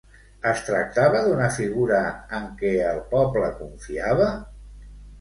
Es tractava d'una figura en què el poble confiava?